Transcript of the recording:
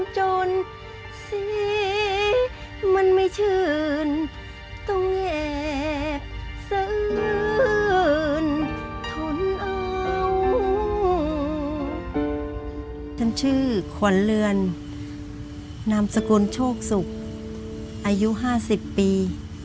ฉันชื่อขวัญเรือนนามสกุลโชคสุขอายุ๕๐ปี